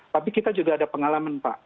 tapi kita juga ada pengalaman pak